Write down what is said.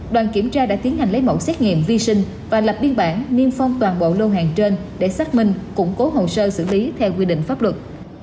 đoàn kiểm tra đã tiến hành lấy mẫu xét nghiệm vi sinh và lập biên bản niêm phong toàn bộ lô hàng trên để xác minh củng cố hồ sơ xử lý theo quy định pháp luật